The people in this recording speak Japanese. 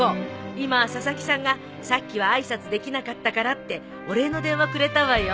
今佐々木さんがさっきは挨拶できなかったからってお礼の電話くれたわよ。